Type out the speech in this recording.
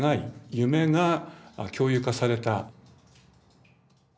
夢が共有化された。